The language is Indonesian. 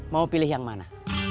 mau pilih yang mana